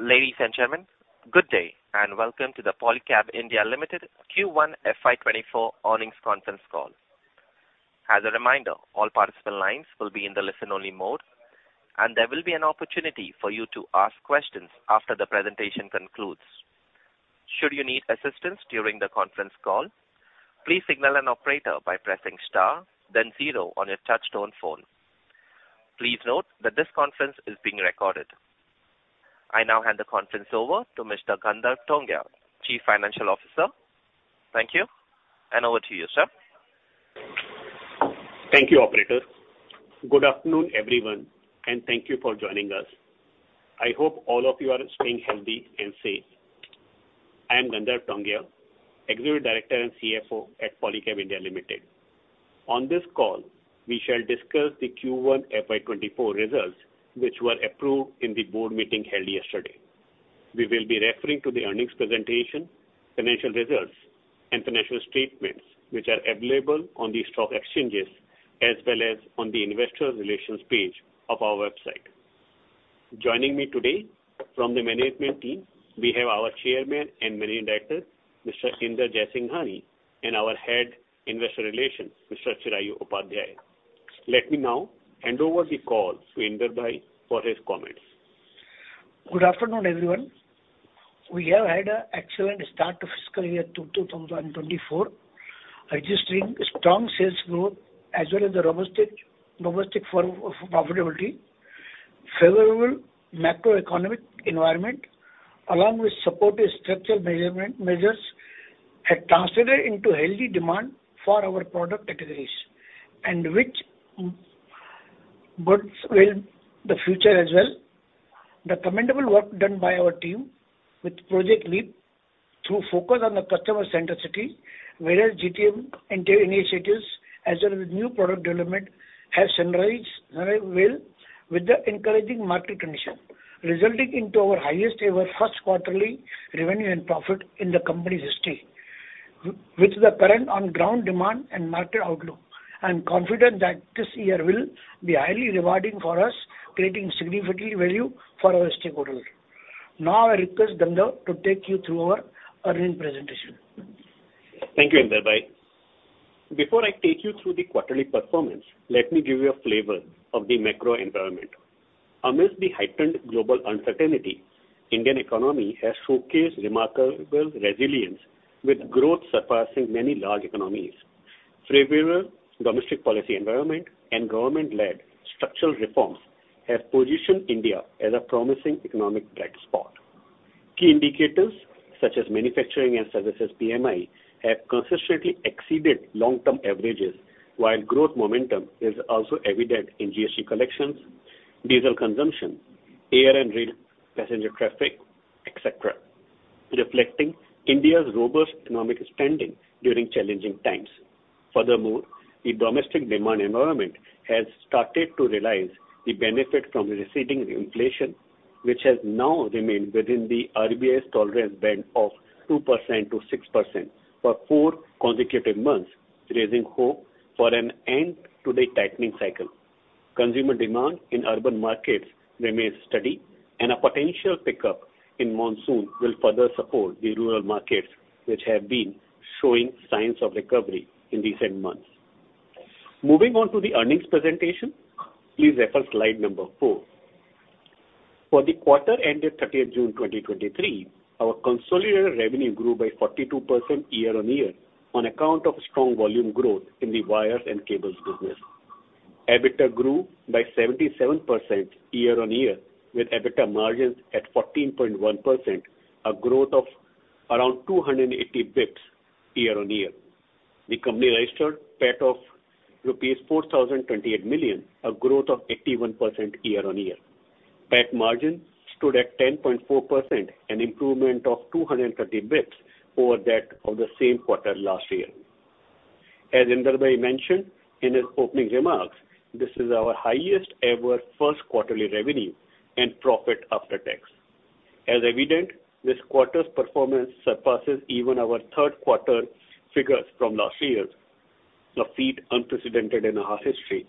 Ladies and gentlemen, good day, and welcome to the Polycab India Limited Q1 FY 2024 earnings conference call. As a reminder, all participant lines will be in the listen-only mode, and there will be an opportunity for you to ask questions after the presentation concludes. Should you need assistance during the conference call, please signal an operator by pressing star then zero on your touchtone phone. Please note that this conference is being recorded. I now hand the conference over to Mr. Gandharv Tongia, Chief Financial Officer. Thank you, and over to you, sir. Thank you, operator. Good afternoon, everyone, thank you for joining us. I hope all of you are staying healthy and safe. I am Gandharv Tongia, Executive Director and CFO at Polycab India Limited. On this call, we shall discuss the Q1 FY 2024 results, which were approved in the board meeting held yesterday. We will be referring to the earnings presentation, financial results, and financial statements, which are available on the stock exchanges as well as on the investor relations page of our website. Joining me today from the management team, we have our Chairman and Managing Director, Mr. Inder Jaisinghani, and our Head, Investor Relations, Mr. Chirayu Upadhyaya. Let me now hand over the call to Inder bhai for his comments. Good afternoon, everyone. We have had an excellent start to fiscal year 2024, registering strong sales growth as well as a robust domestic form of profitability. Favorable macroeconomic environment, along with supportive structural measurement measures, have translated into healthy demand for our product categories, which bodes well the future as well. The commendable work done by our team with Project LEAP through focus on the customer-centricity, whereas GTM initiatives as well as new product development have synergized very well with the encouraging market condition, resulting into our highest ever first quarterly revenue and profit in the company's history. With the current on-ground demand and market outlook, I'm confident that this year will be highly rewarding for us, creating significant value for our stakeholders. Now I request Gandharv to take you through our earning presentation. Thank you, Inder bhai. Before I take you through the quarterly performance, let me give you a flavor of the macro environment. Amidst the heightened global uncertainty, Indian economy has showcased remarkable resilience, with growth surpassing many large economies. Favorable domestic policy environment and government-led structural reforms have positioned India as a promising economic bright spot. Key indicators, such as manufacturing and services PMI, have consistently exceeded long-term averages, while growth momentum is also evident in GST collections, diesel consumption, air and rail passenger traffic, et cetera, reflecting India's robust economic standing during challenging times. Furthermore, the domestic demand environment has started to realize the benefit from receding inflation, which has now remained within the RBI's tolerance band of 2%-6% for four consecutive months, raising hope for an end to the tightening cycle. Consumer demand in urban markets remains steady, and a potential pickup in monsoon will further support the rural markets, which have been showing signs of recovery in recent months. Moving on to the earnings presentation, please refer to slide number four. For the quarter ended 30th June 2023, our consolidated revenue grew by 42% year-on-year on account of strong volume growth in the wires and cables business. EBITDA grew by 77% year-on-year, with EBITDA margins at 14.1%, a growth of around 280 basis points year-on-year. The company registered PAT of rupees 4,028 million, a growth of 81% year-on-year. PAT margin stood at 10.4%, an improvement of 230 basis points over that of the same quarter last year. As Inder bhai mentioned in his opening remarks, this is our highest ever first quarterly revenue and profit after tax. As evident, this quarter's performance surpasses even our third quarter figures from last year's, a feat unprecedented in our history,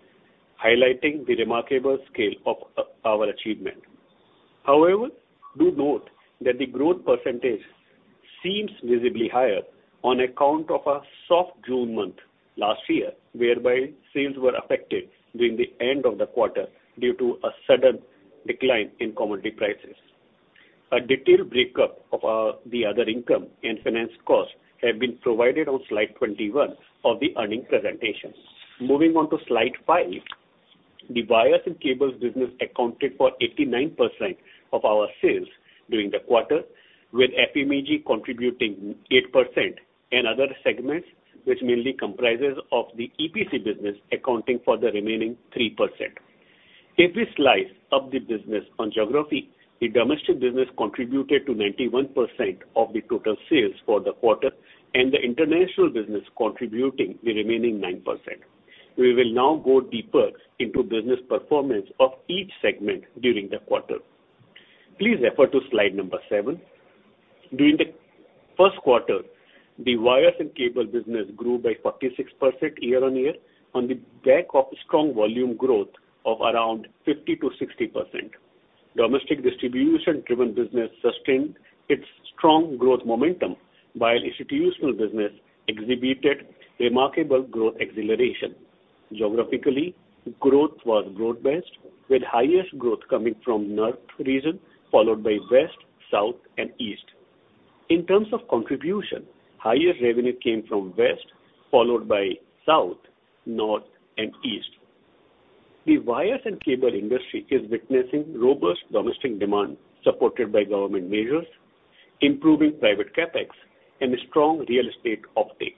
highlighting the remarkable scale of our achievement. However, do note that the growth percentages seems visibly higher on account of a soft June month last year, whereby sales were affected during the end of the quarter due to a sudden decline in commodity prices. A detailed breakup of the other income and finance costs have been provided on slide 21 of the earning presentation. Moving on to slide five, the wires and cables business accounted for 89% of our sales during the quarter, with FMEG contributing 8% and other segments, which mainly comprises of the EPC business, accounting for the remaining 3%. If we slice up the business on geography, the domestic business contributed to 91% of the total sales for the quarter and the international business contributing the remaining 9%. We will now go deeper into business performance of each segment during the quarter. Please refer to slide number seven. During the first quarter, the wires and cable business grew by 46% year-on-year on the back of strong volume growth of around 50%-60%. Domestic distribution-driven business sustained its strong growth momentum, while institutional business exhibited remarkable growth acceleration. Geographically, growth was broad-based, with highest growth coming from North region, followed by west, south, and east. In terms of contribution, highest revenue came from west, followed by south, north, and east. The wires and cable industry is witnessing robust domestic demand, supported by government measures, improving private CapEx, and strong real estate uptake.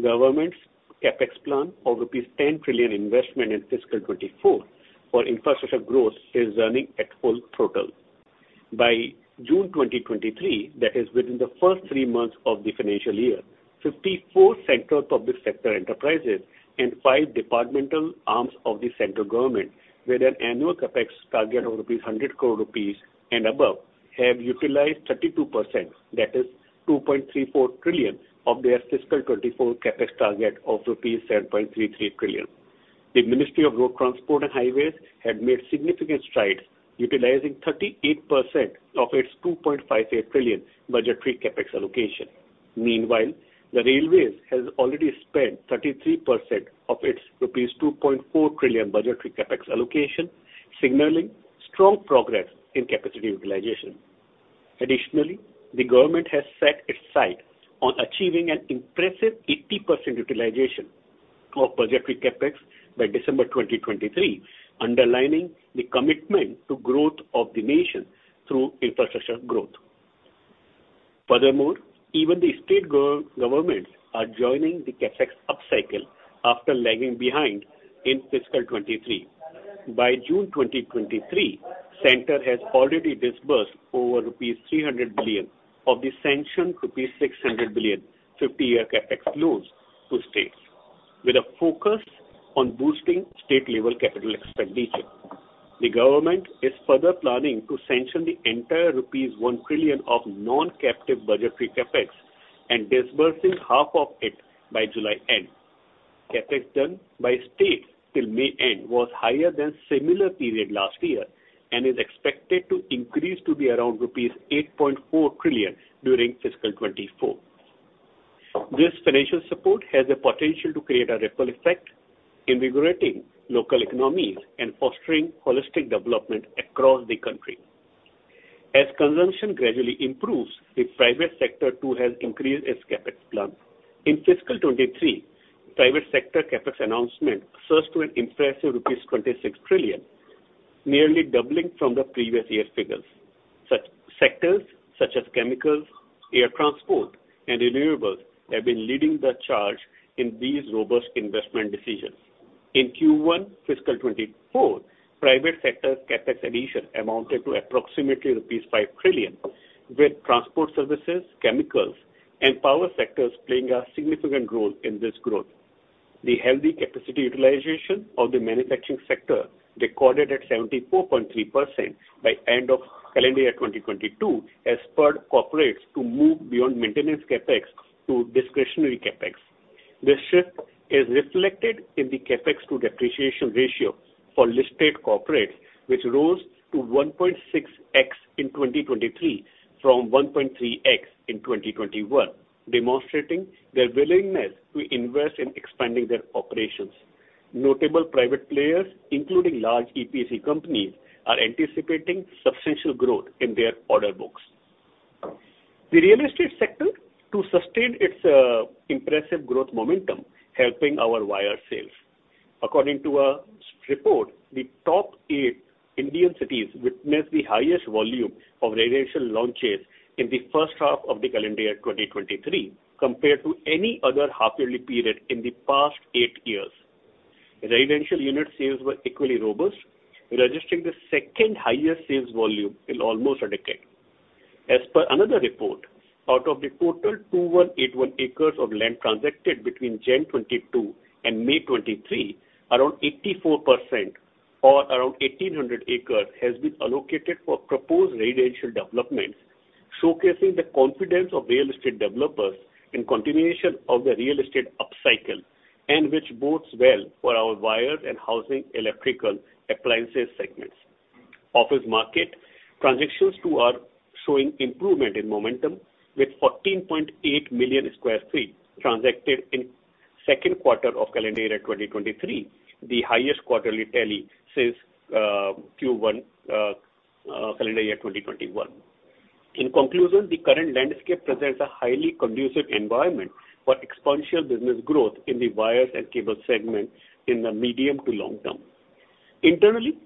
Government's CapEx plan of rupees 10 trillion investment in fiscal 2024 for infrastructure growth is running at full throttle. By June 2023, that is within the first three months of the financial year, 54 central public sector enterprises and five departmental arms of the central government, with an annual CapEx target of 100 crore rupees and above, have utilized 32%, that is 2.34 trillion, of their fiscal 2024 CapEx target of rupees 7.33 trillion. The Ministry of Road Transport and Highways had made significant strides, utilizing 38% of its 2.58 trillion budgetary CapEx allocation. Meanwhile, the Railways has already spent 33% of its rupees 2.4 trillion budgetary CapEx allocation, signaling strong progress in capacity utilization. Additionally, the government has set its sight on achieving an impressive 80% utilization of budgetary CapEx by December 2023, underlining the commitment to growth of the nation through infrastructure growth. Furthermore, even the state governments are joining the CapEx upcycle after lagging behind in fiscal 2023. By June 2023, center has already disbursed over rupees 300 billion of the sanctioned rupees 600 billion, 50-year CapEx loans to states, with a focus on boosting state-level capital expenditure. The government is further planning to sanction the entire rupees 1 trillion of non-captive budgetary CapEx and disbursing half of it by July end. CapEx done by state till May end was higher than similar period last year and is expected to increase to be around rupees 8.4 trillion during fiscal 2024. This financial support has the potential to create a ripple effect, invigorating local economies and fostering holistic development across the country. As consumption gradually improves, the private sector, too, has increased its CapEx plan. In fiscal 2023, private sector CapEx announcement surged to an impressive rupees 26 trillion, nearly doubling from the previous year's figures. Such sectors such as chemicals, air transport, and renewables have been leading the charge in these robust investment decisions. In Q1 fiscal 2024, private sector CapEx addition amounted to approximately rupees 5 trillion, with transport services, chemicals, and power sectors playing a significant role in this growth. The healthy capacity utilization of the manufacturing sector recorded at 74.3% by end of calendar year 2022, has spurred corporates to move beyond maintenance CapEx to discretionary CapEx. This shift is reflected in the CapEx-to-depreciation ratio for listed corporates, which rose to 1.6x in 2023 from 1.3x in 2021, demonstrating their willingness to invest in expanding their operations. Notable private players, including large EPC companies, are anticipating substantial growth in their order books. The real estate sector to sustain its impressive growth momentum, helping our wire sales. According to a report, the top eight Indian cities witnessed the highest volume of residential launches in the first half of the calendar year 2023, compared to any other half-yearly period in the past eight years. Residential unit sales were equally robust, registering the second highest sales volume in almost a decade. As per another report, out of the total 2,181 acres of land transacted between January 2022 and May 2023, around 84% or around 1,822 acres, has been allocated for proposed residential developments, showcasing the confidence of real estate developers in continuation of the real estate upcycle. Which bodes well for our wires and housing electrical appliances segments. Office market transactions, too, are showing improvement in momentum, with 14.8 million sq ft transacted in second quarter of calendar year 2023, the highest quarterly tally since Q1 calendar year 2021. In conclusion, the current landscape presents a highly conducive environment for exponential business growth in the wires and cable segment in the medium to long term. Internally,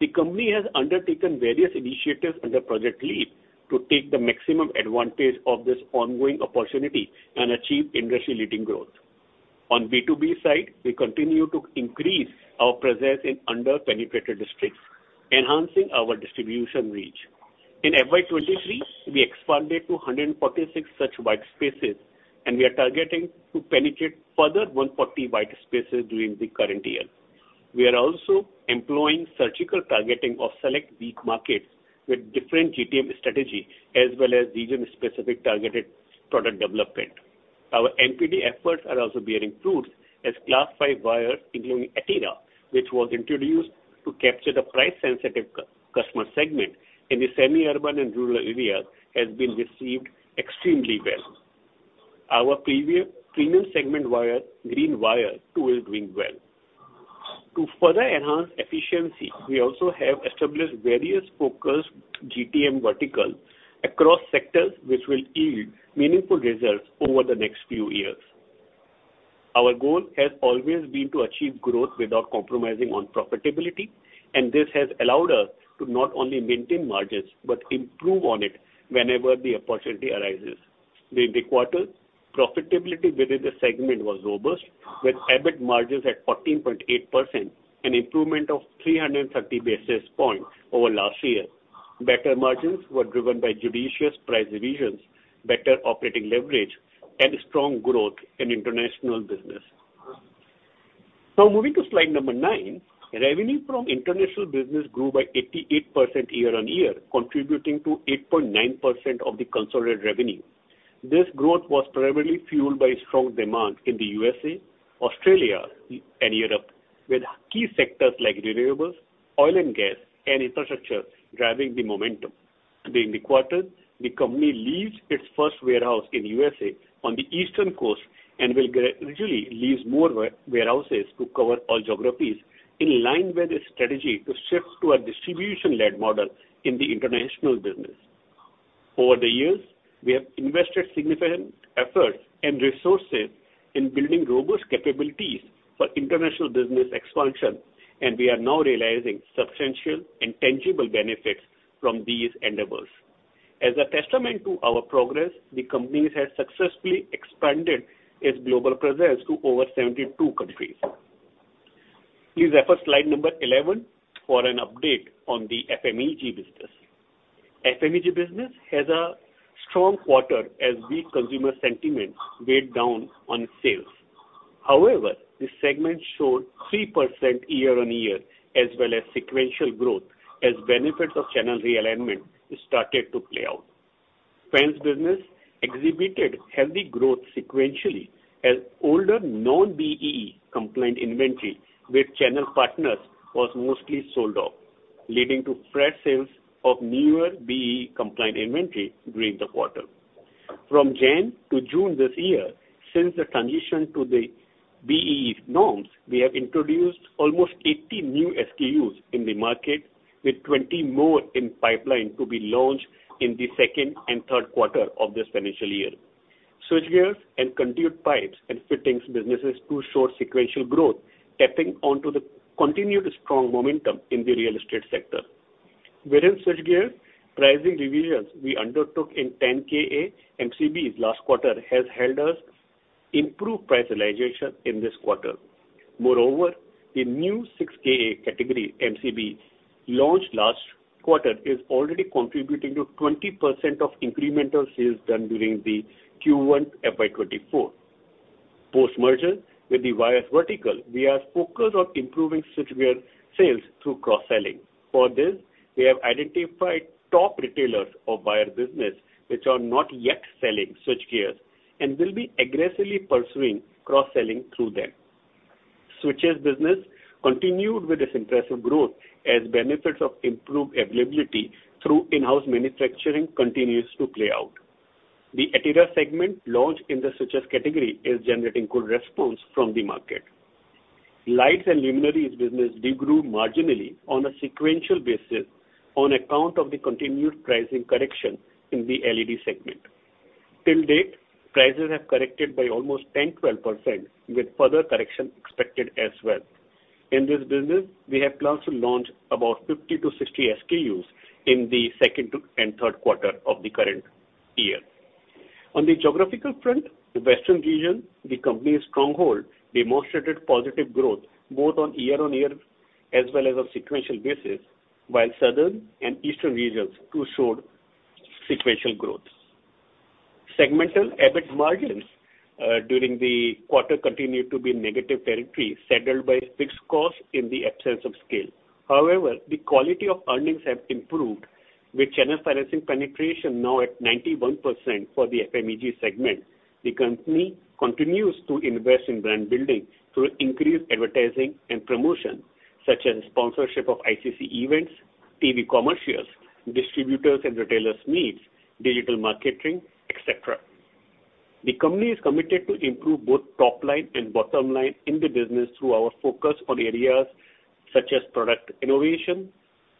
the company has undertaken various initiatives under Project LEAP to take the maximum advantage of this ongoing opportunity and achieve industry-leading growth. On B2B side, we continue to increase our presence in under-penetrated districts, enhancing our distribution reach. In FY 2023, we expanded to 146 such white spaces, and we are targeting to penetrate further 140 white spaces during the current year. We are also employing surgical targeting of select weak markets with different GTM strategy, as well as region-specific targeted product development. Our NPD efforts are also bearing fruits, as Class 5 wire, including Etira, which was introduced to capture the price-sensitive customer segment in the semi-urban and rural areas, has been received extremely well. Our premium segment wire, Green Wire, too, is doing well. To further enhance efficiency, we also have established various focused GTM verticals across sectors, which will yield meaningful results over the next few years. Our goal has always been to achieve growth without compromising on profitability, and this has allowed us to not only maintain margins, but improve on it whenever the opportunity arises. During the quarter, profitability within the segment was robust, with EBIT margins at 14.8%, an improvement of 330 basis points over last year. Better margins were driven by judicious price revisions, better operating leverage, and strong growth in international business. Moving to slide nine. Revenue from international business grew by 88% year-over-year, contributing to 8.9% of the consolidated revenue. This growth was primarily fueled by strong demand in the U.S.A., Australia, and Europe, with key sectors like Renewables, Oil and Gas, and Infrastructure driving the momentum. During the quarter, the company leased its first warehouse in U.S.A. on the eastern coast and will gradually lease more warehouses to cover all geographies, in line with its strategy to shift to a distribution-led model in the international business. Over the years, we have invested significant efforts and resources in building robust capabilities for international business expansion, and we are now realizing substantial and tangible benefits from these endeavors. As a testament to our progress, the company has successfully expanded its global presence to over 72 countries. Please refer slide number 11 for an update on the FMEG business. FMEG business had a strong quarter as weak consumer sentiment weighed down on sales. The segment showed 3% year-on-year as well as sequential growth, as benefits of channel realignment started to play out. Fans business exhibited healthy growth sequentially, as older non-BEE compliant inventory with channel partners was mostly sold off, leading to fresh sales of newer BEE compliant inventory during the quarter. From January to June this year, since the transition to the BEE norms, we have introduced almost 80 new SKUs in the market, with 20 more in pipeline to be launched in the second and third quarter of this financial year. Switchgears and conduit pipes and fittings businesses, too, showed sequential growth, tapping onto the continued strong momentum in the real estate sector. Within switchgear pricing revisions we undertook in 10kA MCBs last quarter, has helped us improve price realization in this quarter. The new 6kA category MCB launched last quarter, is already contributing to 20% of incremental sales done during the Q1 FY 2024. Post-merger, with the wires vertical, we are focused on improving switchgear sales through cross-selling. For this, we have identified top retailers of wire business which are not yet selling switchgears, and will be aggressively pursuing cross-selling through them. Switches business continued with its impressive growth as benefits of improved availability through in-house manufacturing continues to play out. The Etira segment launched in the switches category is generating good response from the market. Lights and luminaires business de-grew marginally on a sequential basis on account of the continued pricing correction in the LED segment. Till date, prices have corrected by almost 10%-12%, with further correction expected as well. In this business, we have plans to launch about 50-60 SKUs in the second and third quarter of the current year. On the geographical front, the western region, the company's stronghold, demonstrated positive growth both on year-on-year as well as on sequential basis, while southern and eastern regions, too, showed sequential growth. Segmental EBIT margins during the quarter continued to be in negative territory, shadowed by fixed costs in the absence of scale. However, the quality of earnings have improved, with channel financing penetration now at 91% for the FMEG segment. The company continues to invest in brand building through increased advertising and promotion, such as sponsorship of ICC events, TV commercials, distributors and retailers' needs, digital marketing, et cetera. The company is committed to improve both top line and bottom line in the business through our focus on areas such as product innovation,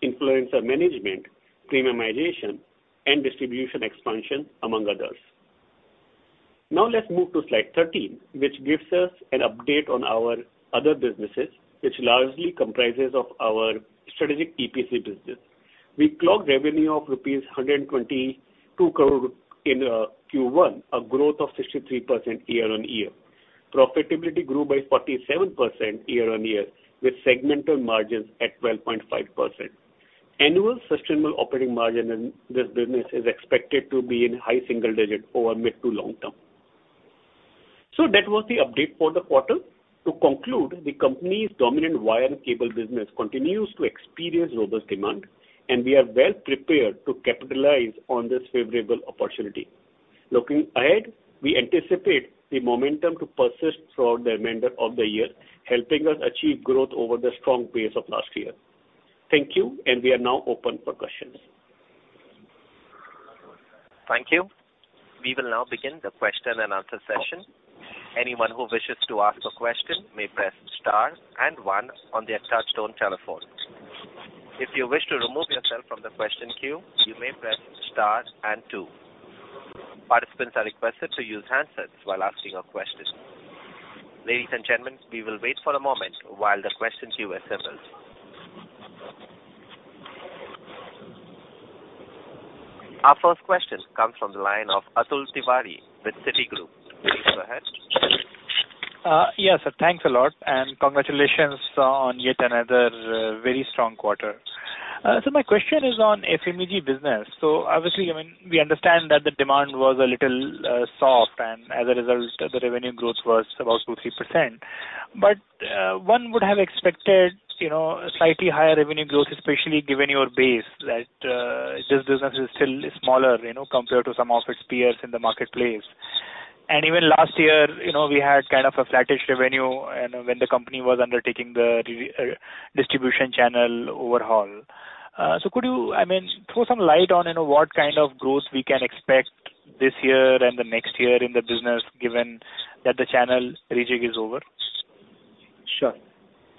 influencer management, premiumization, and distribution expansion, among others. Let's move to slide 13, which gives us an update on our other businesses, which largely comprises of our strategic EPC business. We clocked revenue of rupees 122 crore in Q1, a growth of 63% year-on-year. Profitability grew by 47% year-on-year, with segmental margins at 12.5%. Annual sustainable operating margin in this business is expected to be in high single digit over mid to long term. That was the update for the quarter. To conclude, the company's dominant wire and cable business continues to experience robust demand, and we are well prepared to capitalize on this favorable opportunity. Looking ahead, we anticipate the momentum to persist throughout the remainder of the year, helping us achieve growth over the strong base of last year. Thank you, and we are now open for questions. Thank you. We will now begin the question and answer session. Anyone who wishes to ask a question may press star and one on their touchtone telephone. If you wish to remove yourself from the question queue, you may press star and two. Participants are requested to use handsets while asking a question. Ladies and gentlemen, we will wait for a moment while the question queue assembles. Our first question comes from the line of Atul Tiwari with Citigroup. Please go ahead. Yes, sir, thanks a lot, and congratulations on yet another very strong quarter. My question is on FMEG business. Obviously, I mean, we understand that the demand was a little soft, and as a result, the revenue growth was about 2%-3%. One would have expected, you know, a slightly higher revenue growth, especially given your base, that this business is still smaller, you know, compared to some of its peers in the marketplace. Even last year, you know, we had kind of a flattish revenue and when the company was undertaking the redistribution channel overhaul. Could you, I mean, throw some light on, you know, what kind of growth we can expect this year and the next year in the business, given that the channel rejig is over? Sure.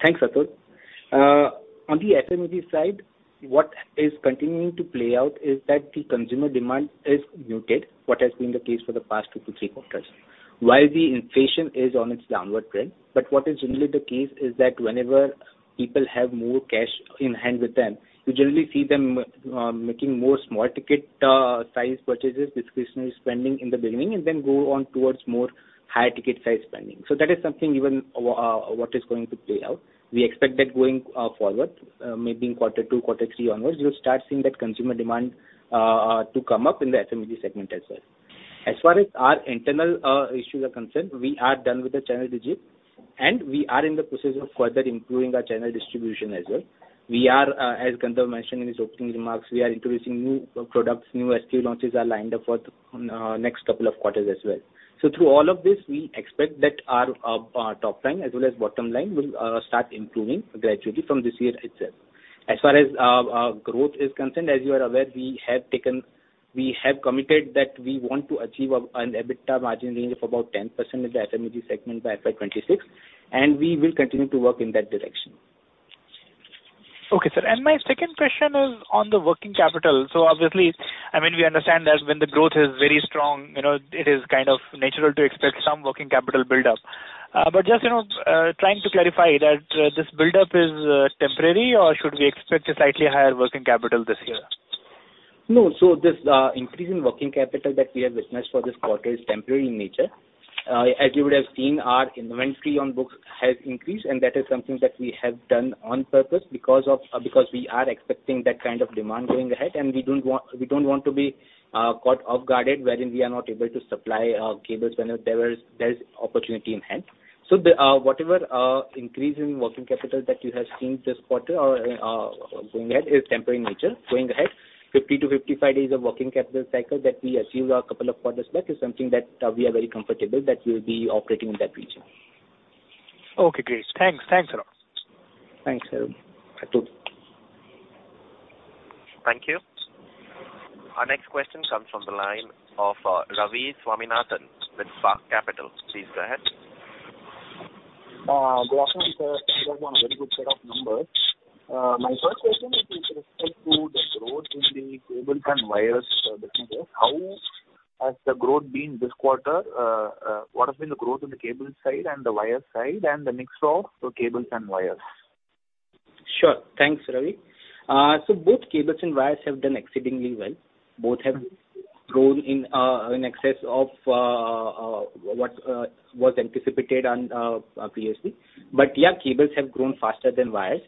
Thanks, Atul. On the FMEG side, what is continuing to play out is that the consumer demand is muted, what has been the case for the past two to three quarters, while the inflation is on its downward trend. What is generally the case is that whenever people have more cash in hand with them, you generally see them making more small ticket size purchases, discretionary spending in the beginning, and then go on towards more high ticket size spending. That is something even what is going to play out. We expect that going forward, maybe in quarter two, quarter three onwards, you'll start seeing that consumer demand to come up in the FMEG segment as well. As far as our internal issues are concerned, we are done with the channel rejig, and we are in the process of further improving our channel distribution as well. We are as Gandharv mentioned in his opening remarks, we are introducing new products. New SKU launches are lined up for the next couple of quarters as well. Through all of this, we expect that our top line as well as bottom line will start improving gradually from this year itself. As far as our growth is concerned, as you are aware, We have committed that we want to achieve an EBITDA margin range of about 10% in the FMEG segment by FY 2026, and we will continue to work in that direction. Okay, sir. My second question is on the working capital. Obviously, I mean, we understand that when the growth is very strong, you know, it is kind of natural to expect some working capital buildup. Just, you know, trying to clarify that this buildup is temporary, or should we expect a slightly higher working capital this year? No. This increase in working capital that we have witnessed for this quarter is temporary in nature. As you would have seen, our inventory on books has increased, and that is something that we have done on purpose because we are expecting that kind of demand going ahead, and we don't want to be caught off guard wherein we are not able to supply cables whenever there is opportunity in hand. The whatever increase in working capital that you have seen this quarter or going ahead, is temporary in nature. Going ahead, 50 days-55 days of working capital cycle that we achieved a couple of quarters back is something that we are very comfortable that we will be operating in that region. Okay, great. Thanks. Thanks a lot. Thanks, Atul. Thank you. Our next question comes from the line of, Ravi Swaminathan with Spark Capital. Please go ahead. Good afternoon, sir. You have a very good set of numbers. My first question is with respect to the growth in the cable and wires businesses. How has the growth been this quarter? What has been the growth in the cable side and the wire side, and the mix of the cables and wires? Sure. Thanks, Ravi. Both cables and wires have done exceedingly well. Both have grown in excess of what was anticipated on previously. Yeah, cables have grown faster than wires.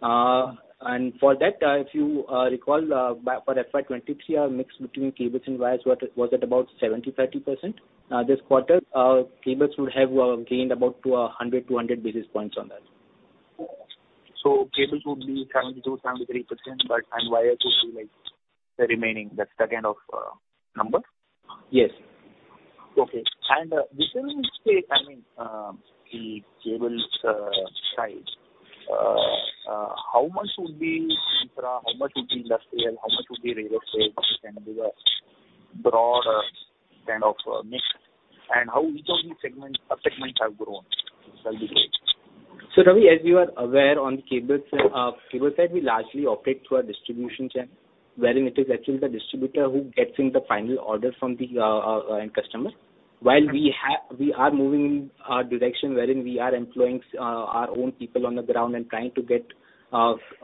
For that, if you recall, by, for FY 2023, our mix between cables and wires was at about 70%, 30%. This quarter, cables would have gained about 100 basis points-200 basis points on that. Cables would be 72%, 73%, and wires would be the remaining. That's the kind of number? Yes. Okay. Within, say, I mean, the cables, side, how much would be intra, how much would be industrial, how much would be real estate? Can you give a broad, kind of, mix, and how each of these segments have grown? That'll be great. Ravi, as you are aware, on the cables, cable side, we largely operate through a distribution channel, wherein it is actually the distributor who gets in the final order from the end customer. While we are moving in a direction wherein we are employing our own people on the ground and trying to get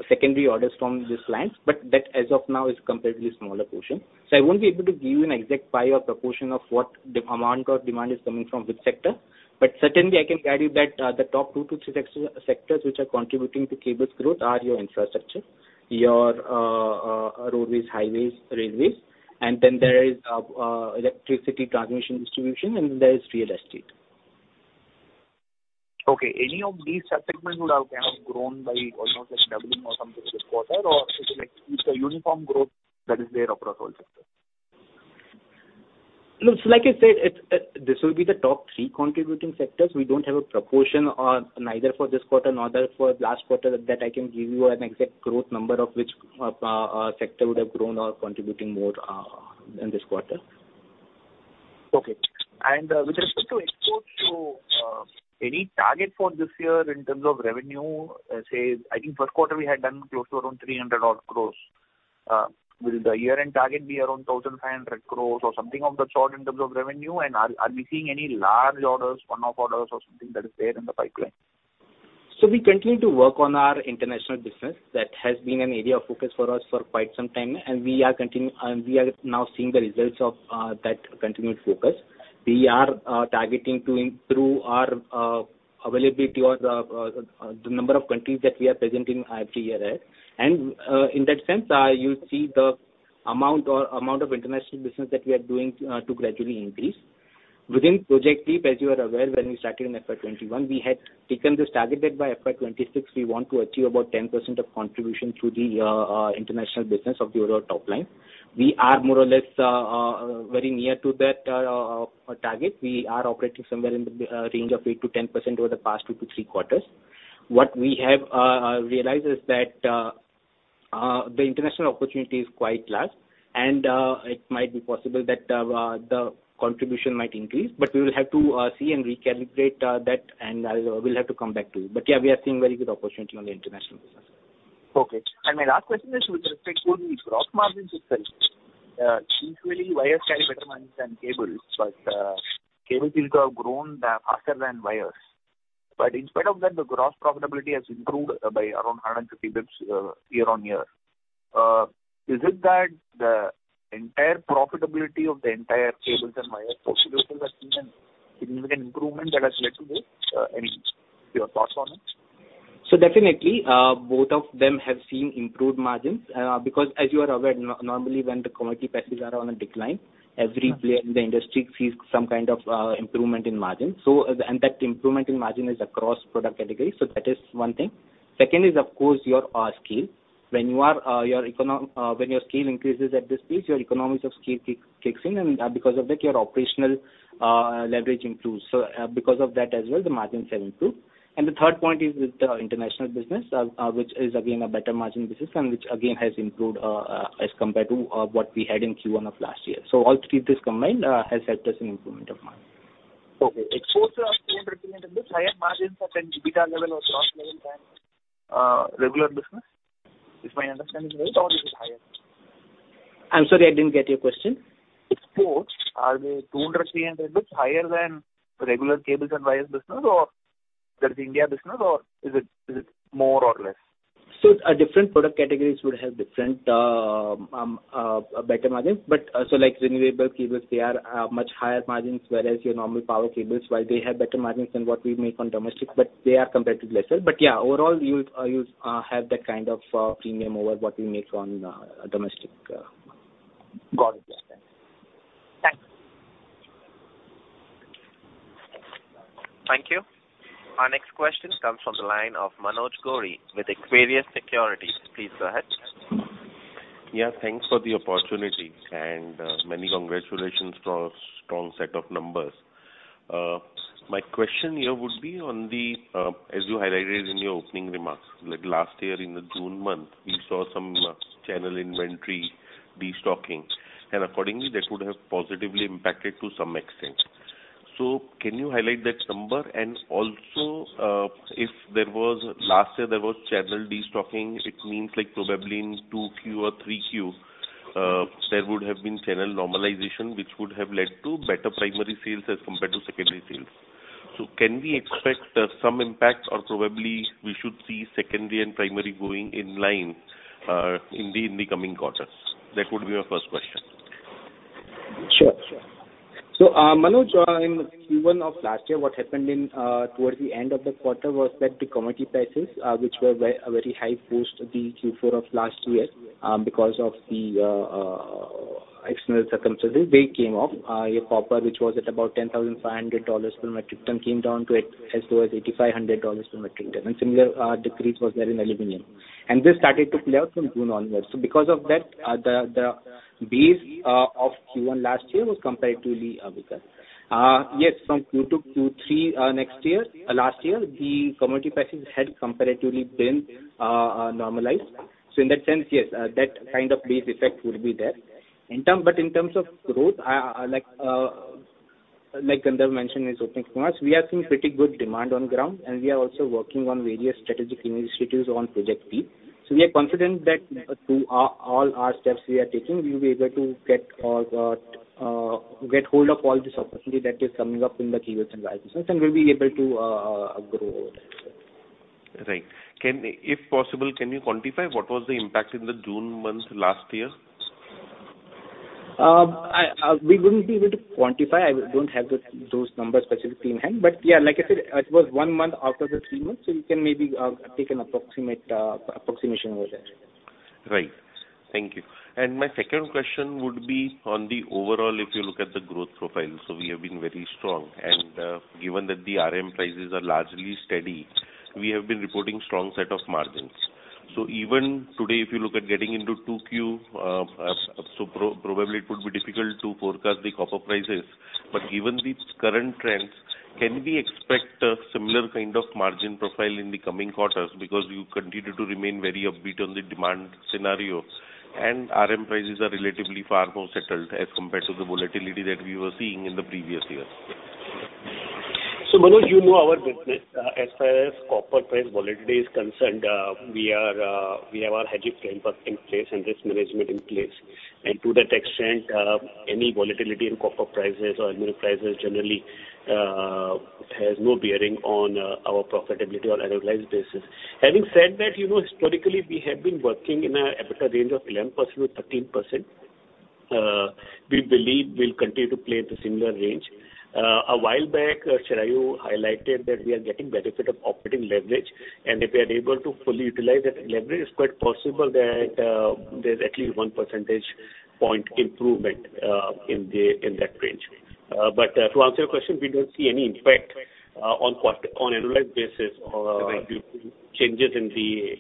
secondary orders from these clients, but that, as of now, is comparatively smaller portion. I won't be able to give you an exact pie or proportion of what the amount or demand is coming from which sector. Certainly, I can guide you that the top two to three sectors which are contributing to cables growth are your infrastructure, your roadways, highways, railways, and then there is electricity transmission distribution, and there is real estate. Okay, any of these segments would have kind of grown by almost like doubling or something this quarter, or it's like it's a uniform growth that is there across all sectors? Look, like I said, it, this will be the top three contributing sectors. We don't have a proportion or neither for this quarter nor for last quarter, that I can give you an exact growth number of which sector would have grown or contributing more in this quarter. Okay. With respect to exports, any target for this year in terms of revenue, say, I think first quarter we had done close to around 300 odd crore. Will the year-end target be around 1,500 crore or something of the sort in terms of revenue? Are we seeing any large orders, one-off orders or something that is there in the pipeline? We continue to work on our international business. That has been an area of focus for us for quite some time, and we are now seeing the results of that continued focus. We are targeting to through our availability or the number of countries that we are present in every year. In that sense, you'll see the amount of international business that we are doing to gradually increase. Within Project LEAP, as you are aware, when we started in FY 2021, we had taken this target that by FY 2026 we want to achieve about 10% of contribution through the international business of the overall top line. We are more or less very near to that target. We are operating somewhere in the range of 8%-10% over the past two to three quarters. What we have realized is that the international opportunity is quite large, and it might be possible that the contribution might increase, but we will have to see and recalibrate that, and we'll have to come back to you. Yeah, we are seeing very good opportunity on the international business. Okay. My last question is with respect to the gross margins itself. Usually, wires carry better margins than cables seem to have grown faster than wires. In spite of that, the gross profitability has improved by around 150 basis points year-on-year. Is it that the entire profitability of the entire cables and wires solutions are seeing a significant improvement that has led to this, any your thoughts on it? Definitely, both of them have seen improved margins because as you are aware, normally, when the commodity prices are on a decline, every player in the industry sees some kind of improvement in margin. That improvement in margin is across product categories, so that is one thing. Second is, of course, your scale. When you are, when your scale increases at this stage, your economics of scale kicks in, and because of that, your operational leverage improves. Because of that as well, the margins have improved. The third point is with the international business, which is again, a better margin business, and which again, has improved as compared to what we had in Q1 of last year. All three this combined has helped us in improvement of margin. Okay. Exports are represented in this higher margins at an EBITDA level or gross level than regular business, if my understanding is right, or is it higher? I'm sorry, I didn't get your question. Exports, are they 200 basis points, 300 basis points higher than regular cables and wires business, or that India business, or is it more or less? Different product categories would have different better margins. Like renewable cables, they are much higher margins, whereas your normal power cables, while they have better margins than what we make on domestic, they are comparatively lesser. Overall, you'll have that kind of premium over what we make on domestic. Got it. Thanks. Thank you. Our next question comes from the line of Manoj Gori with Equirus Securities. Please go ahead. Yeah, thanks for the opportunity, and many congratulations for a strong set of numbers. My question here would be on the, as you highlighted in your opening remarks, like last year in the June month, we saw some channel inventory destocking, and accordingly, that would have positively impacted to some extent. Can you highlight that number? Also, if there was, last year there was channel destocking, it means like probably in 2Q or 3Q, there would have been channel normalization, which would have led to better primary sales as compared to secondary sales. Can we expect some impact or probably we should see secondary and primary going in line in the coming quarters? That would be my first question. Sure. Manoj, in Q1 of last year, what happened in towards the end of the quarter was that the commodity prices, which were very high post the Q4 of last year, because of the external circumstances, they came off. Your copper, which was at about $10,500 per metric ton, came down to as low as $8,500 per metric ton, similar decrease was there in aluminum. This started to play out from June onwards. Because of that, the base of Q1 last year was comparatively weaker. Yes, from Q2 to Q3 last year, the commodity prices had comparatively been normalized. In that sense, yes, that kind of base effect will be there. In terms of growth, like Gandharv mentioned in his opening remarks, we are seeing pretty good demand on ground, and we are also working on various strategic initiatives on Project LEAP. We are confident that through all our steps we are taking, we will be able to get hold of all this opportunity that is coming up in the cables and wires, and we'll be able to grow over there. Right. If possible, can you quantify what was the impact in the June month last year? We wouldn't be able to quantify. I don't have those numbers specifically in hand. Yeah, like I said, it was 1 month after the three months, so you can maybe, take an approximate, approximation over there. Right. Thank you. My second question would be on the overall, if you look at the growth profile. We have been very strong, and, given that the RM prices are largely steady, we have been reporting strong set of margins. Even today, if you look at getting into 2Q, probably it would be difficult to forecast the copper prices. Given the current trends, can we expect a similar kind of margin profile in the coming quarters? Because you continue to remain very upbeat on the demand scenario, and RM prices are relatively far more settled as compared to the volatility that we were seeing in the previous years. Manoj, you know our business. As far as copper price volatility is concerned, we have our hedging framework in place and risk management in place. To that extent, any volatility in copper prices or aluminum prices generally has no bearing on our profitability on annualized basis. Having said that, you know, historically, we have been working in a EBITDA range of 11%-13%. We believe we'll continue to play at a similar range. A while back, Chirayu highlighted that we are getting benefit of operating leverage, and if we are able to fully utilize that leverage, it's quite possible that there's at least one percentage point improvement in that range. But to answer your question, we don't see any impact on annual basis. Changes in the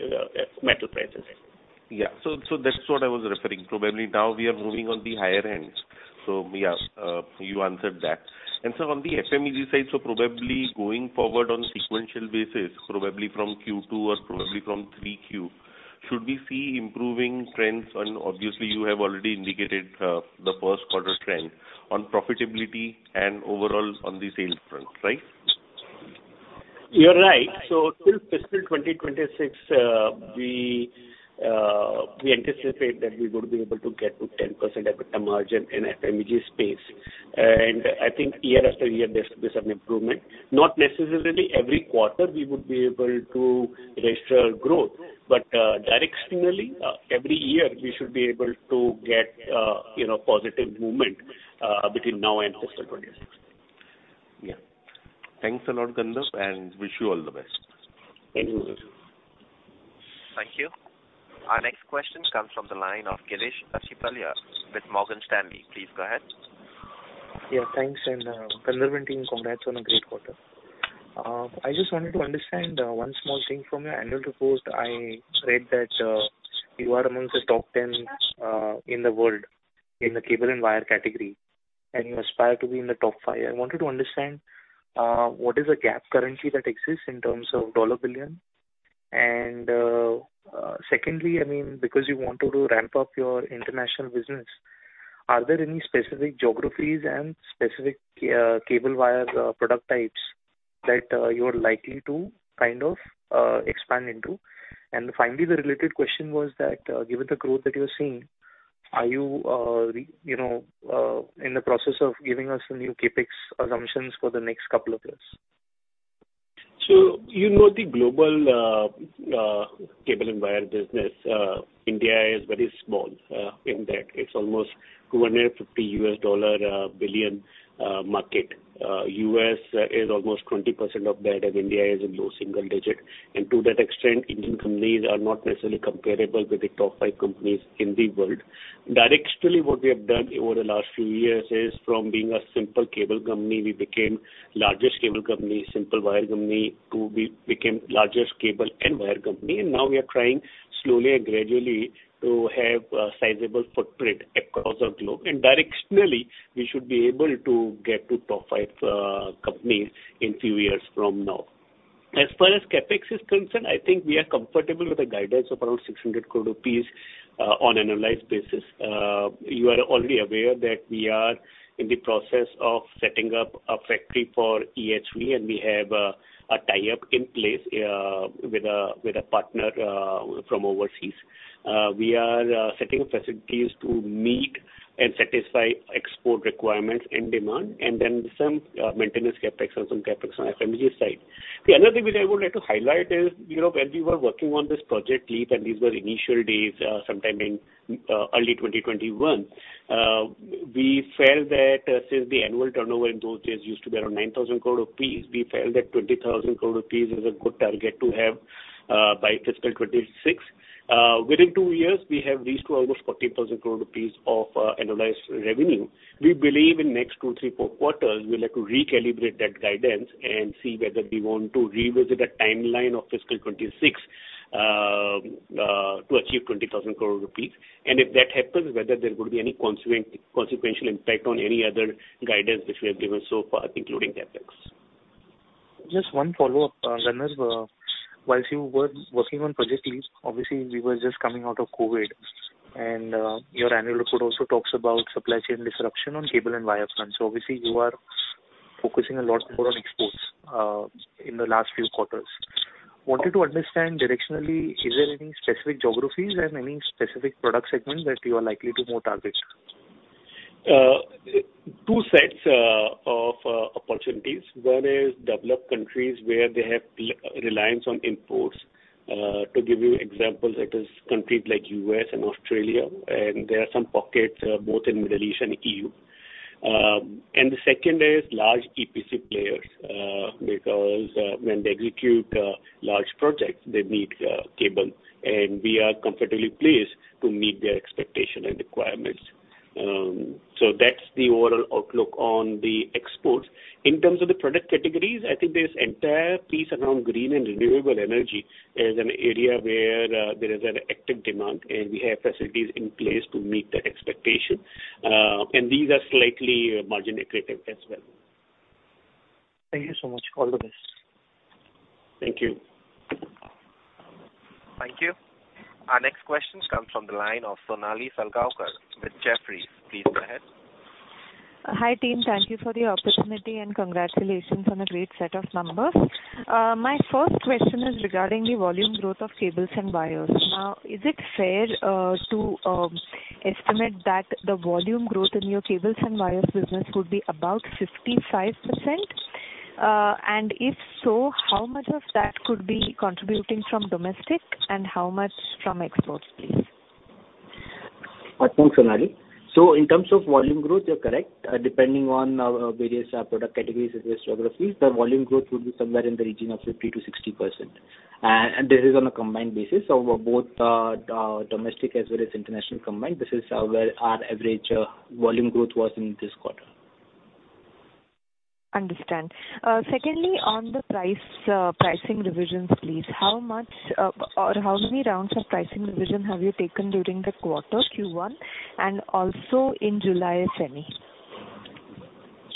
metal prices. Thank you. That's what I was referring. Probably now we are moving on the higher end. You answered that. On the FMEG side, probably going forward on sequential basis, probably from Q2 or probably from 3Q, should we see improving trends, obviously you have already indicated the first quarter trend on profitability and overall on the sales front, right? You're right. Till fiscal 2026, we anticipate that we're going to be able to get to 10% EBITDA margin in FMEG space. I think year after year, there's an improvement. Not necessarily every quarter we would be able to register growth, but directionally, every year, we should be able to get, you know, positive movement between now and also 2026. Yeah. Thanks a lot, Gandharv, and wish you all the best. Thank you, Manoj. Thank you. Our next question comes from the line of Girish Achhipalia with Morgan Stanley. Please go ahead. Yeah, thanks. Gandharv and team, congrats on a great quarter. I just wanted to understand one small thing from your annual report. I read that you are amongst the top 10 in the world in the cable and wire category, and you aspire to be in the top five. I wanted to understand what is the gap currently that exists in terms of dollar billion? Secondly, I mean, because you want to ramp up your international business, are there any specific geographies and specific cable wire product types that you are likely to kind of expand into? Finally, the related question was that given the growth that you're seeing, are you know, in the process of giving us some new CapEx assumptions for the next couple of years? You know, the global cable and wire business, India is very small, in that it's almost $250 billion market. U.S. is almost 20% of that, and India is in low single digit. To that extent, Indian companies are not necessarily comparable with the top five companies in the world. Directionally, what we have done over the last few years is from being a simple cable company, we became largest cable company, simple wire company, to we became largest cable and wire company. Now we are trying slowly and gradually to have a sizable footprint across the globe, and directionally, we should be able to get to top five companies in few years from now. As far as CapEx is concerned, I think we are comfortable with the guidance of around 600 crore rupees on annualized basis. You are already aware that we are in the process of setting up a factory for EHV, and we have a tie-up in place with a partner from overseas. We are setting up facilities to meet and satisfy export requirements and demand, and then some maintenance CapEx and some CapEx on FMEG side. The another thing which I would like to highlight is, you know, when we were working on this Project LEAP, and these were initial days, sometime in early 2021, we felt that since the annual turnover in those days used to be around 9,000 crore rupees, we felt that 20,000 crore rupees is a good target to have by fiscal 2026. Within two years, we have reached to almost 14,000 crore rupees of annualized revenue. We believe in next two, three, four quarters, we'd like to recalibrate that guidance and see whether we want to revisit a timeline of fiscal 2026 to achieve 20,000 crore rupees, and if that happens, whether there would be any consequential impact on any other guidance which we have given so far, including CapEx. Just one follow-up, Gandharv. Whilst you were working on Project LEAP, obviously, we were just coming out of COVID, and your annual report also talks about supply chain disruption on cable and wire front. Obviously, you are focusing a lot more on exports, in the last few quarters. Wanted to understand directionally, is there any specific geographies and any specific product segments that you are likely to more target? Two sets opportunities. One is developed countries where they have reliance on imports. To give you examples, it is countries like U.S. and Australia, there are some pockets both in Middle East and EU. The second is large EPC players, because when they execute large projects, they need cable, and we are comfortably placed to meet their expectation and requirements. That's the overall outlook on the exports. In terms of the product categories, I think this entire piece around green and renewable energy is an area where there is an active demand, and we have facilities in place to meet the expectation. These are slightly margin accretive as well. Thank you so much. All the best. Thank you. Thank you. Our next question comes from the line of Sonali Salgaonkar with Jefferies. Please go ahead. Hi, team. Thank you for the opportunity, and congratulations on the great set of numbers. My first question is regarding the volume growth of cables and wires. Now, is it fair to estimate that the volume growth in your cables and wires business would be about 55%? If so, how much of that could be contributing from domestic, and how much from exports, please? Thanks, Sonali. In terms of volume growth, you're correct. Depending on various product categories and geographies, the volume growth would be somewhere in the region of 50%-60%. This is on a combined basis. Both domestic as well as international combined, this is where our average volume growth was in this quarter. Understand. Secondly, on the pricing revisions, please, how much or how many rounds of pricing revision have you taken during the quarter Q1 and also in July, [if there's any]?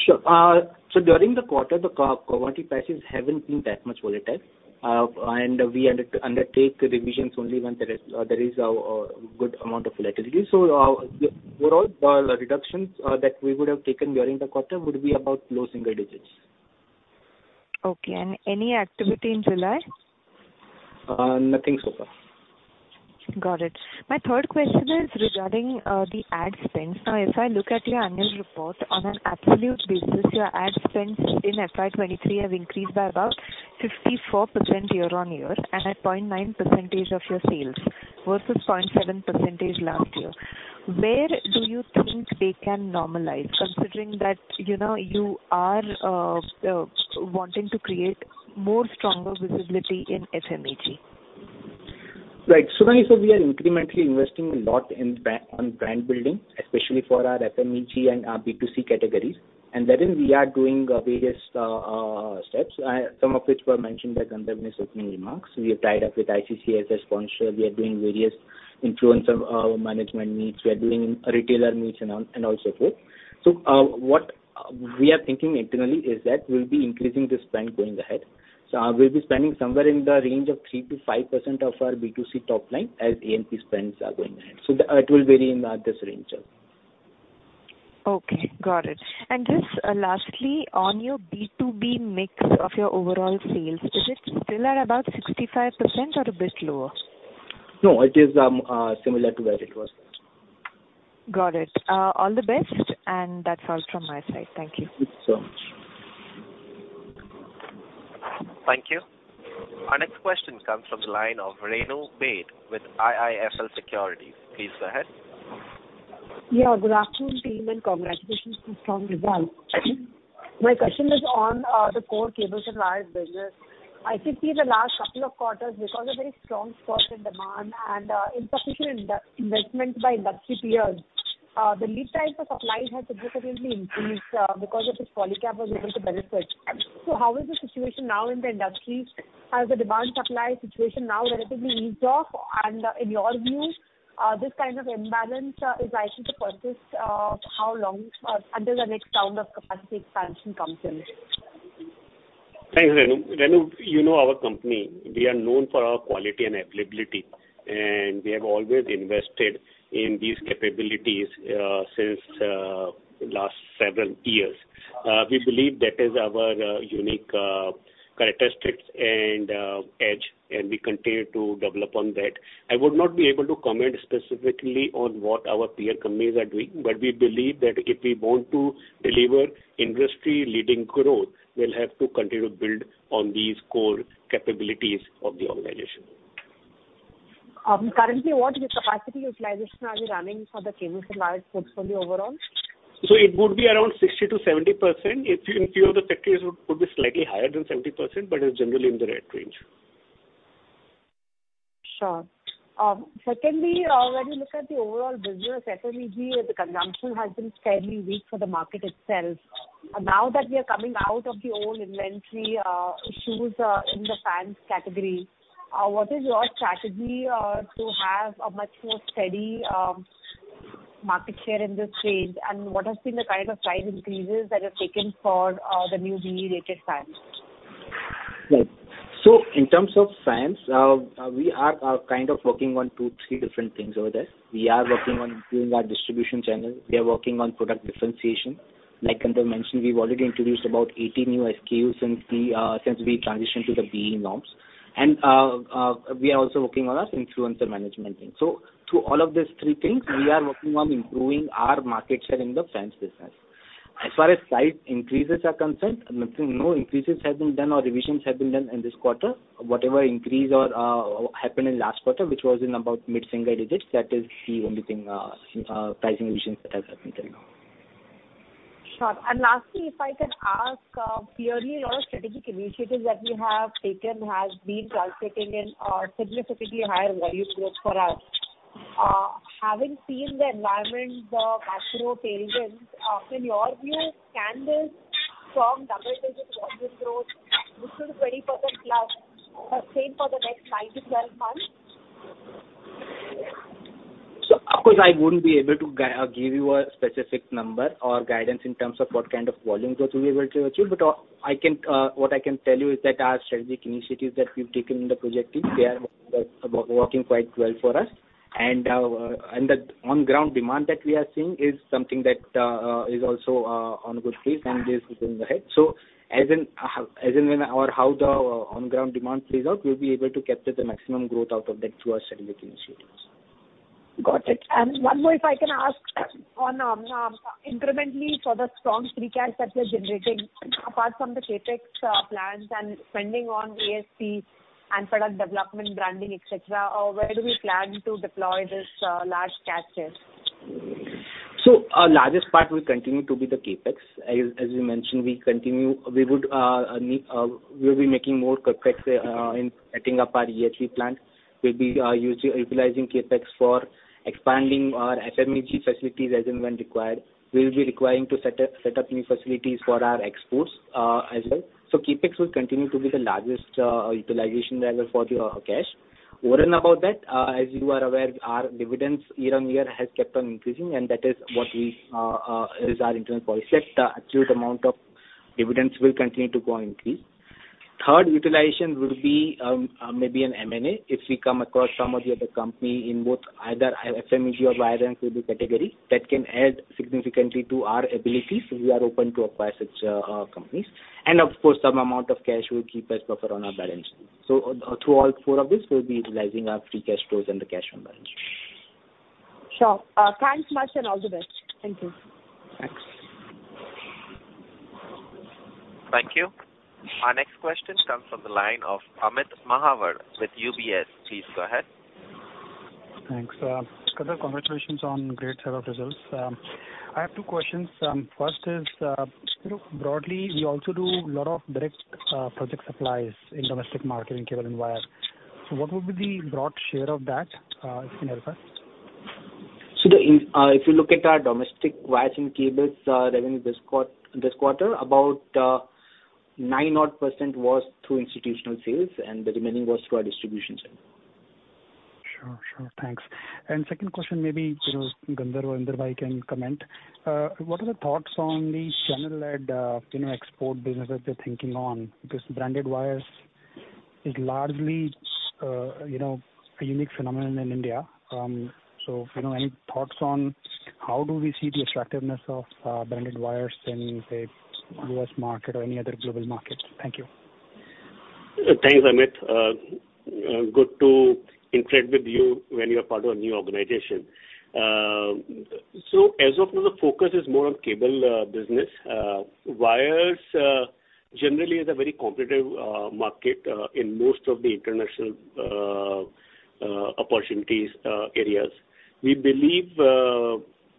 Sure. During the quarter, the commodity prices haven't been that much volatile. We undertake the revisions only when there is a good amount of volatility. The overall reductions that we would have taken during the quarter would be about low single digits. Okay. Any activity in July? Nothing so far. Got it. My third question is regarding the ad spends. Now, if I look at your annual report, on an absolute basis, your ad spends in FY 2023 have increased by about 54% year-on-year, and at 0.9% of your sales versus 0.7% last year. Where do you think they can normalize, considering that, you know, you are wanting to create more stronger visibility in FMEG? Right. We are incrementally investing a lot on brand building, especially for our FMEG and our B2C categories. Therein, we are doing various steps, some of which were mentioned by Gandharv in his opening remarks. We have tied up with ICC as a sponsor. We are doing various influencer management needs. We are doing retailer needs and also forth. What we are thinking internally is that we'll be increasing the spend going ahead. We'll be spending somewhere in the range of 3%-5% of our B2C top line as A&P spends are going ahead. It will vary in this range. Okay, got it. Just, lastly, on your B2B mix of your overall sales, is it still at about 65% or a bit lower? No, it is similar to where it was. Got it. All the best, that's all from my side. Thank you. Thank you so much. Thank you. Our next question comes from the line of Renu Baid with IIFL Securities. Please go ahead. Good afternoon, team, and congratulations to strong results. My question is on the core cables and wires business. I think in the last couple of quarters, because of very strong spots in demand and insufficient investment by industry peers, the lead times for supply has significantly increased, because of this Polycab was able to benefit. How is the situation now in the industry? Has the demand/supply situation now relatively eased off? In your view, this kind of imbalance is likely to persist for how long until the next round of capacity expansion comes in? Thanks, Renu. Renu, you know our company, we are known for our quality and availability. We have always invested in these capabilities, since the last several years. We believe that is our unique characteristics and edge. We continue to develop on that. I would not be able to comment specifically on what our peer companies are doing. We believe that if we want to deliver industry-leading growth, we'll have to continue to build on these core capabilities of the organization. Currently, what is the capacity utilization are you running for the cables and wires portfolio overall? It would be around 60%-70%. If you include the factories, it could be slightly higher than 70%, but it's generally in the right range. Sure. Secondly, when you look at the overall business FMEG, the consumption has been fairly weak for the market itself. Now that we are coming out of the old inventory, issues, in the fans category, what is your strategy to have a much more steady market share in this range? What has been the kind of price increases that you've taken for the new BEE-rated fans? In terms of FMEG, we are kind of working on two, three different things over there. We are working on improving our distribution channel. We are working on product differentiation. Like Gandharv mentioned, we've already introduced about 18 new SKUs since we since we transitioned to the BEE norms. We are also working on our influencer management team. Through all of these three things, we are working on improving our market share in the FMEG business. As far as price increases are concerned, nothing, no increases have been done or revisions have been done in this quarter. Whatever increase or happened in last quarter, which was in about mid-single digits, that is the only thing pricing revisions that has happened till now. Sure. Lastly, if I can ask, clearly a lot of strategic initiatives that you have taken has been translating in significantly higher value growth for us. Having seen the environment, the macro tailwinds, in your view, can this strong double-digit volume growth, which is 20%+, stay for the next nine to 12 months? Of course, I wouldn't be able to give you a specific number or guidance in terms of what kind of volumes growth we will achieve, but what I can tell you is that our strategic initiatives that we've taken in Project LEAP, they are working quite well for us. The on-ground demand that we are seeing is something that is also on good pace and is looking ahead. As in, as in when or how the on-ground demand plays out, we'll be able to capture the maximum growth out of that through our strategic initiatives. Got it. One more, if I can ask on, incrementally for the strong free cash that you're generating, apart from the CapEx plans and spending on A&P and product development, branding, et cetera, where do we plan to deploy this large cash share? Our largest part will continue to be the CapEx. As you mentioned, we would need, we'll be making more CapEx in setting up our EHV plant. We'll be utilizing CapEx for expanding our FMEG facilities as and when required. We'll be requiring to set up new facilities for our exports as well. CapEx will continue to be the largest utilization level for the cash. Over and above that, as you are aware, our dividends year-on-year has kept on increasing, and that is what we is our internal policy. The actual amount of dividends will continue to go on increase. Third utilization will be maybe an M&A. If we come across some or the other company in both either FMEG or wiring cable category, that can add significantly to our abilities, we are open to acquire such companies. Of course, some amount of cash we'll keep as buffer on our balance sheet. Through all four of these, we'll be utilizing our free cash flows and the cash on balance sheet. Sure. Thanks much and all the best. Thank you. Thanks. Thank you. Our next question comes from the line of Amit Mahawar with UBS. Please go ahead. Thanks. Congratulations on great set of results. I have two questions. First is, broadly, we also do a lot of direct project supplies in domestic market in cable and wire. What would be the broad share of that, if you can help us? The, if you look at our domestic wiring cables, revenue this quarter, about, 9% odd was through institutional sales, and the remaining was through our distribution center. Sure. Thanks. Second question, maybe, you know, Gandharv or Inder bhai can comment. What are the thoughts on the channel-led, you know, export business that they're thinking on? Because branded wires is largely, you know, a unique phenomenon in India. You know, any thoughts on how do we see the attractiveness of branded wires in, say, U.S. market or any other global markets? Thank you. to interact with you when you are part of a new organization. As of now, the focus is more on cable business. Wires generally is a very competitive market in most of the international opportunities areas. We believe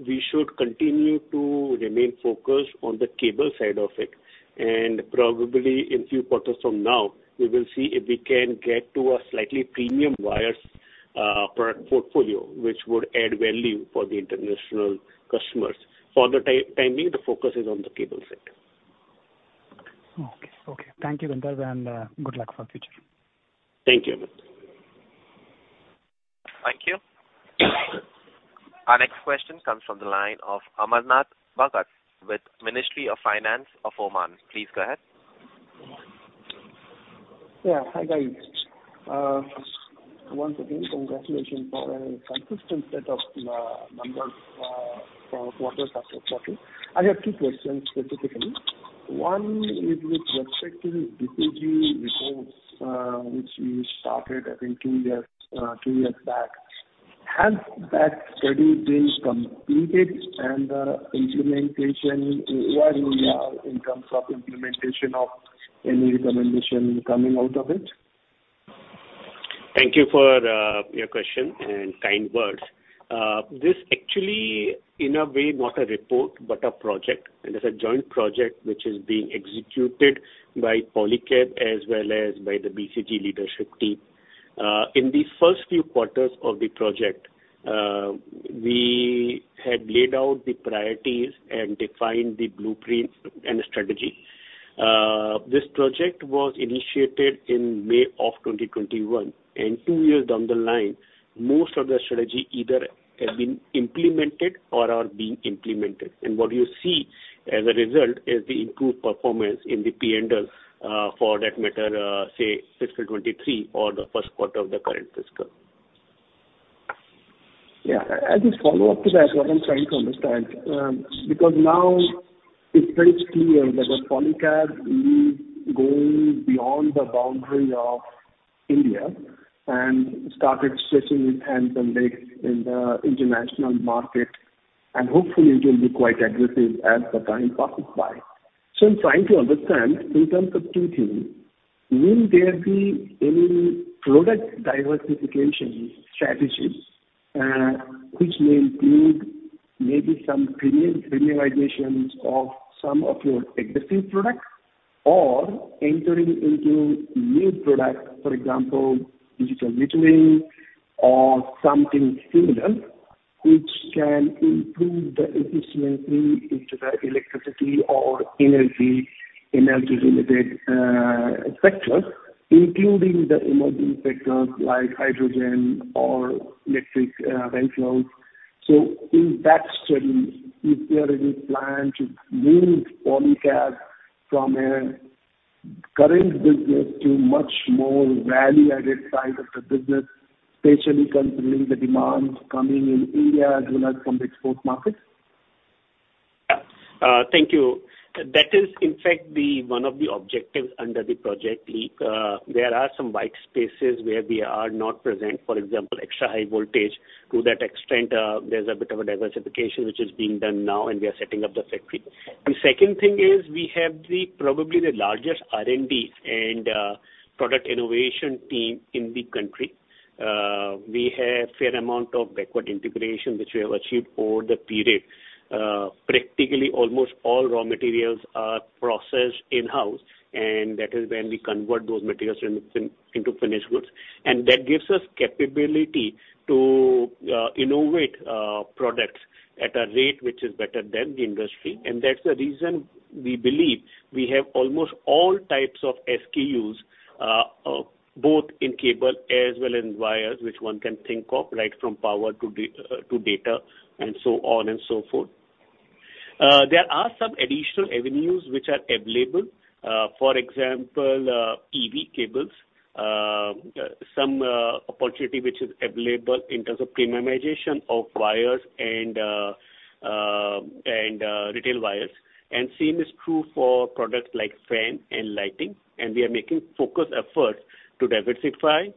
we should continue to remain focused on the cable side of it, and probably in few quarters from now, we will see if we can get to a slightly premium wires product portfolio, which would add value for the international customers. For the timing, the focus is on the cable sector Okay. Okay, thank you, Gandharv, and, good luck for the future. Thank you, Amit. Thank you. Our next question comes from the line of Amarnath Bhakat with Ministry of Finance of Oman. Please go ahead. Yeah, hi, guys. Once again, congratulations for a consistent set of numbers from quarter after quarter. I have two questions specifically. One is with respect to BCG reports, which you started, I think, two years back. Has that study been completed and implementation, where do you are in terms of implementation of any recommendation coming out of it? Thank you for your question and kind words. This actually, in a way, not a report, but a project, and it's a joint project which is being executed by Polycab as well as by the BCG leadership team. In the first few quarters of the project, we had laid out the priorities and defined the blueprint and strategy. This project was initiated in May of 2021, and two years down the line, most of the strategy either have been implemented or are being implemented. What you see as a result is the improved performance in the P&L, for that matter, say fiscal 2023 or the first quarter of the current fiscal. Yeah, as a follow-up to that, what I'm trying to understand, because now it's very clear that with Polycab really going beyond the boundary of India and started stretching its hands and legs in the international market. Hopefully it will be quite aggressive as the time passes by. I'm trying to understand in terms of two things, will there be any product diversification strategies, which may include maybe some premiumizations of some of your existing products, or entering into new products, for example, digital retailing or something similar, which can improve the efficiency into the electricity or energy-related sectors, including the emerging sectors like hydrogen or electric vehicles. In that study, is there any plan to move Polycab from a current business to much more value-added side of the business, especially considering the demands coming in India as well as from the export markets? Yeah. Thank you. That is, in fact, one of the objectives under the Project LEAP. There are some white spaces where we are not present, for example, Extra High Voltage. To that extent, there's a bit of a diversification which is being done now, and we are setting up the factory. The second thing is we have the, probably the largest R&D and product innovation team in the country. We have fair amount of backward integration, which we have achieved over the period. Practically, almost all raw materials are processed in-house, and that is when we convert those materials into finished goods. That gives us capability to innovate products at a rate which is better than the industry. That's the reason we believe we have almost all types of SKUs, both in cable as well as in wires, which one can think of, right from power to data and so on and so forth. There are some additional avenues which are available, for example, EV cables, some opportunity which is available in terms of premiumization of wires and retail wires. Same is true for products like fan and lighting, and we are making focused efforts to diversify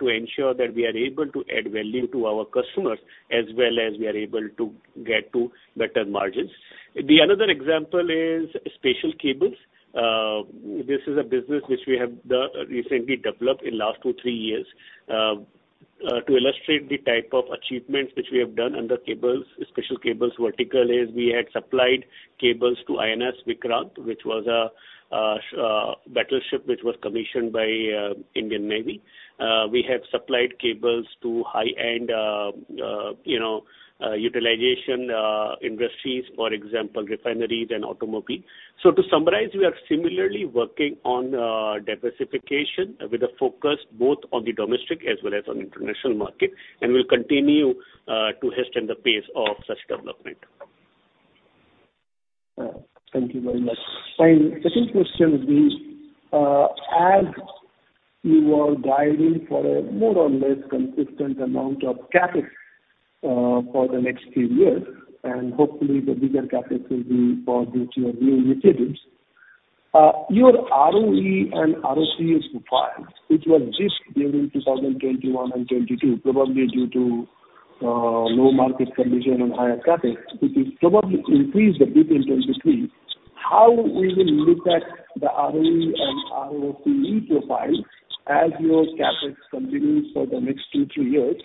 to ensure that we are able to add value to our customers as well as we are able to get to better margins. The another example is special cables. This is a business which we have recently developed in last two, three years. To illustrate the type of achievements which we have done under cables, special cables vertical is we had supplied cables to INS Vikrant, which was a battleship, which was commissioned by Indian Navy. We have supplied cables to high-end utilization industries, for example, refineries and automobile. To summarize, we are similarly working on diversification with a focus both on the domestic as well as on international market, and we'll continue to hasten the pace of such development. Thank you very much. Fine. Second question would be, as you are guiding for a more or less consistent amount of CapEx for the next three years, and hopefully the bigger CapEx will be for which you are doing renewables, your ROE and ROCE profile, which was just during 2021 and 2022, probably due to low market condition and higher CapEx, which is probably increased a bit in 2023. How we will look at the ROE and ROCE profile as your CapEx continues for the next two, three years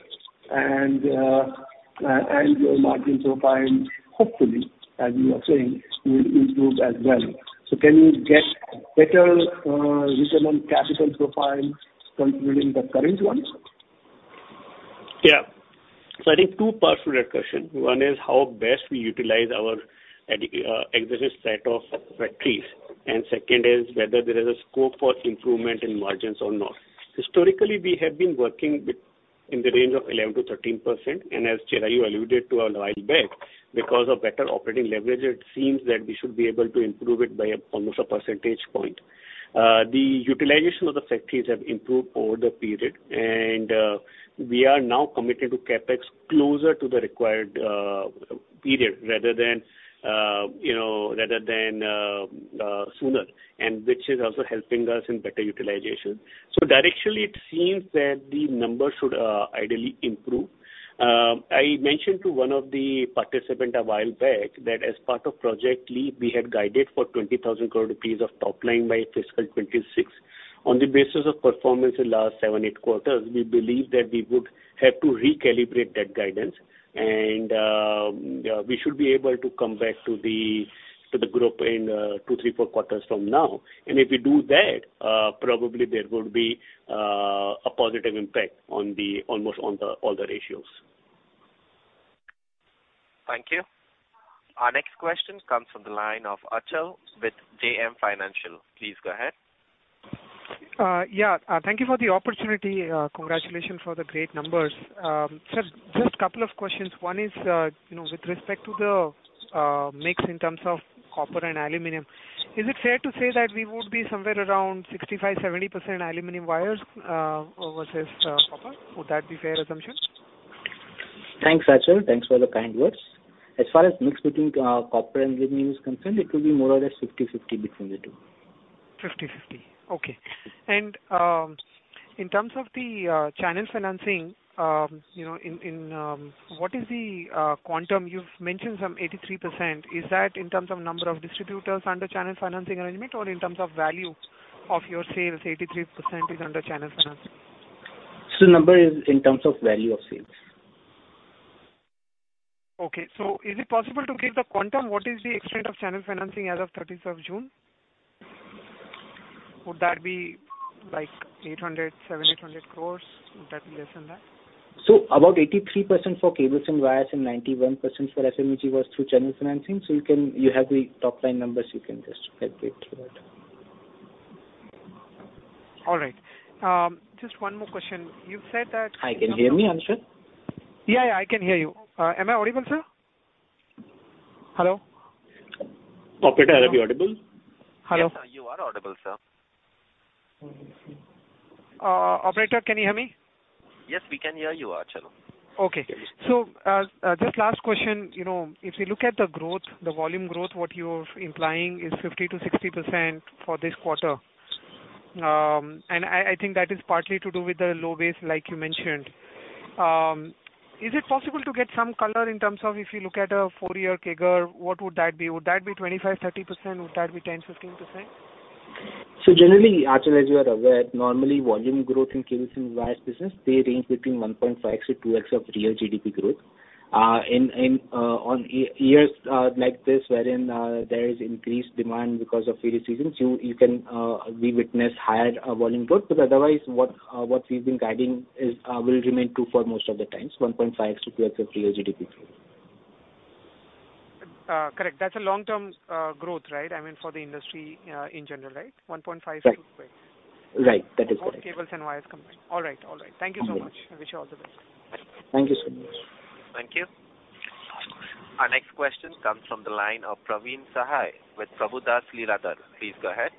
and your margin profile, hopefully, as you are saying, will improve as well. Can you get better return on capital profile compared to the current ones? I think two parts to that question. One is how best we utilize our existing set of factories, and second is whether there is a scope for improvement in margins or not. Historically, we have been working with, in the range of 11%-13%, and as Chirayu alluded to a while back, because of better operating leverage, it seems that we should be able to improve it by almost a percentage point. The utilization of the factories have improved over the period, and we are now committed to CapEx closer to the required period, rather than, you know, rather than sooner, and which is also helping us in better utilization. Directionally, it seems that the numbers should ideally improve. I mentioned to one of the participant a while back, that as part of Project LEAP, we had guided for 20,000 crore rupees of top line by fiscal 2026. On the basis of performance in last seven, eight quarters, we believe that we would have to recalibrate that guidance. We should be able to come back to the group in, two, three, four quarters from now. If we do that, probably there would be a positive impact almost on the all the ratios. Thank you. Our next question comes from the line of Achal with JM Financial. Please go ahead. Yeah, thank you for the opportunity. Congratulations for the great numbers. Sir, just a couple of questions. One is, you know, with respect to the mix in terms of copper and aluminum, is it fair to say that we would be somewhere around 65%-70% aluminum wires, versus copper? Would that be fair assumption? Thanks, Achal. Thanks for the kind words. As far as mix between copper and aluminum is concerned, it will be more or less 50/50 between the two. 50/50. Okay. In terms of the channel financing, you know, what is the quantum? You've mentioned some 83%. Is that in terms of number of distributors under channel financing arrangement or in terms of value of your sales, 83% is under channel financing? The number is in terms of value of sales. Okay. Is it possible to give the quantum? What is the extent of channel financing as of 30th of June? Would that be like 800 crore, 700 crore-800 crore or less than that? About 83% for cables and wires, and 91% for FMEG was through channel financing. You have the top line numbers, you can just calculate through that. All right. Just one more question. Can you hear me, Achal? Yeah, yeah, I can hear you. Am I audible, sir? Hello? Operator, are we audible? Hello. Yes, sir, you are audible, sir. operator, can you hear me? Yes, we can hear you, Achal. Okay. Just last question. You know, if you look at the growth, the volume growth, what you're implying is 50%-60% for this quarter. I think that is partly to do with the low base, like you mentioned. Is it possible to get some color in terms of if you look at a four-year CAGR, what would that be? Would that be 25%-30%? Would that be 10%-15%? Generally, Achal, as you are aware, normally volume growth in cables and wires business, they range between 1.5x-2x of real GDP growth. In years like this, wherein there is increased demand because of various reasons, you can we witness higher volume growth, but otherwise, what we've been guiding is will remain true for most of the times, 1.5x-2x of real GDP growth. Correct. That's a long-term growth, right? I mean, for the industry, in general, right? 1.5x-2x. Right. That is correct. Both cables and wires combined. All right. All right. Mm-hmm. Thank you so much. I wish you all the best. Thank you so much. Thank you. Our next question comes from the line of Praveen Sahay with Prabhudas Lilladher. Please go ahead.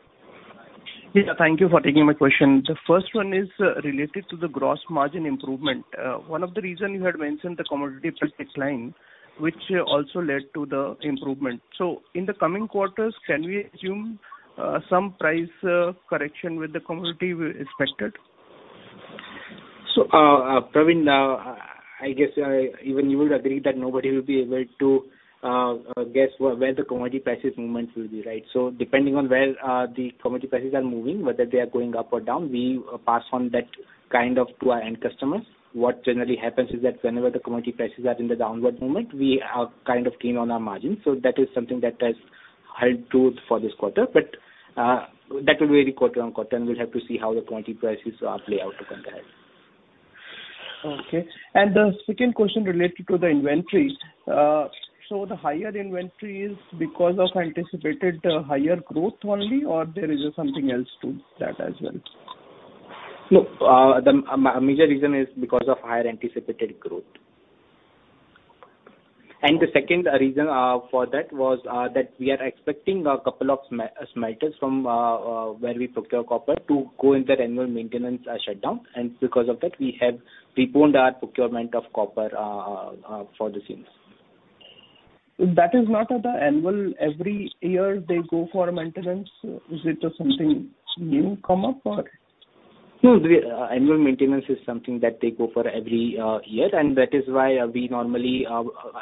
Yeah, thank you for taking my question. The first one is related to the gross margin improvement. One of the reason you had mentioned the commodity price decline, which also led to the improvement. In the coming quarters, can we assume, some price, correction with the commodity we expected? Praveen, I guess even you would agree that nobody will be able to guess where the commodity prices movements will be, right? Depending on where the commodity prices are moving, whether they are going up or down, we pass on that kind of to our end customers. What generally happens is that whenever the commodity prices are in the downward moment, we are kind of clean on our margins. That is something that has helped too for this quarter, but that will vary quarter on quarter, and we'll have to see how the commodity prices play out to come ahead. Okay. The second question related to the inventory. The higher inventory is because of anticipated higher growth only, or there is something else to that as well? No, the major reason is because of higher anticipated growth. The second reason for that was that we are expecting a couple of smelters from where we procure copper to go into their annual maintenance shutdown. Because of that, we have preponed our procurement of copper for the scenes. That is not at the annual. Every year they go for a maintenance. Is it something new come up or? The annual maintenance is something that they go for every year, and that is why we normally,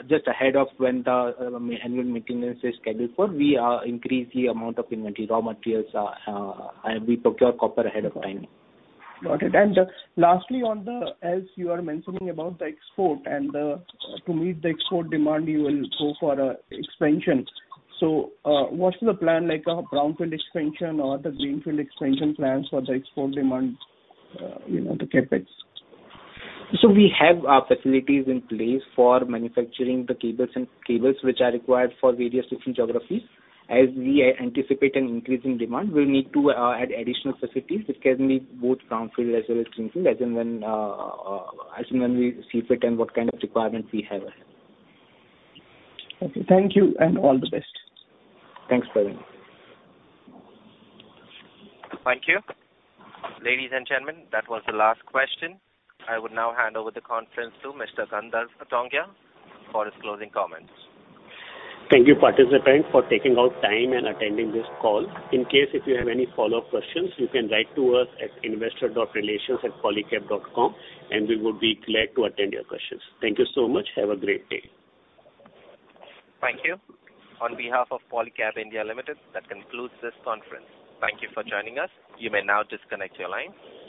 just ahead of when the annual maintenance is scheduled for, we increase the amount of inventory, raw materials, and we procure copper ahead of time. Got it. Lastly, on the As you are mentioning about the export and to meet the export demand, you will go for a expansion. What's the plan like a brownfield expansion or the greenfield expansion plans for the export demand, you know, the CapEx? We have our facilities in place for manufacturing the cables and cables which are required for various different geographies. As we anticipate an increase in demand, we'll need to add additional facilities, which can be both brownfield as well as greenfield, as and when, as and when we see fit and what kind of requirements we have ahead. Okay. Thank you, and all the best. Thanks, Praveen. Thank you. Ladies and gentlemen, that was the last question. I would now hand over the conference to Mr. Gandharv Tongia for his closing comments. Thank you, participants, for taking out time and attending this call. In case if you have any follow-up questions, you can write to us at investor.relations@polycab.com, and we would be glad to attend your questions. Thank you so much. Have a great day. Thank you. On behalf of Polycab India Limited, that concludes this conference. Thank you for joining us. You may now disconnect your line.